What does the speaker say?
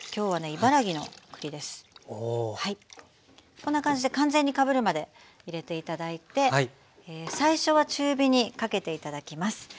こんな感じで完全にかぶるまで入れて頂いて最初は中火にかけて頂きます。